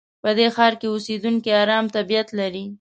په دې ښار کې اوسېدونکي ارام طبیعت لري.